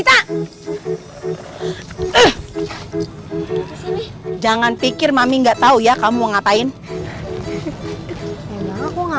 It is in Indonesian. yaudah kita lari lagi